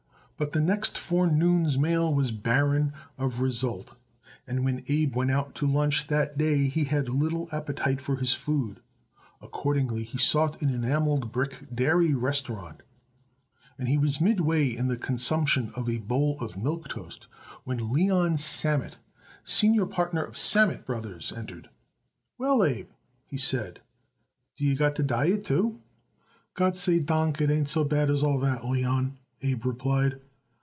But the next forenoon's mail was barren of result, and when Abe went out to lunch that day he had little appetite for his food. Accordingly he sought an enameled brick dairy restaurant, and he was midway in the consumption of a bowl of milk toast when Leon Sammet, senior partner of Sammet Brothers, entered. "Well, Abe," he said, "do you got to diet, too?" "Gott sei dank, it ain't so bad as all that, Leon," Abe replied.